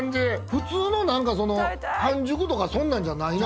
普通の何か半熟とかそんなんじゃないな。